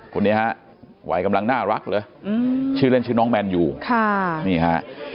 คนนี้ฮะวัยกำลังน่ารักเลยชื่อเล่นชื่อน้องแมนยูค่ะนี่ฮะ